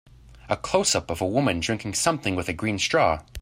A closeup of a woman drinking something with a green straw.